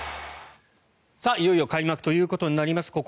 いよいよ開幕ということになります。